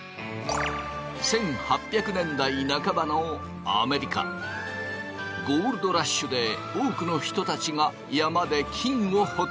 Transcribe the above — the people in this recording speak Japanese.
１８００年代半ばのアメリカゴールドラッシュで多くの人たちが山で金を掘っていた。